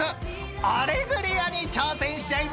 ［『アレグリア』に挑戦しちゃいますぞ］